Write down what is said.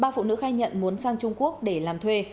ba phụ nữ khai nhận muốn sang trung quốc để làm thuê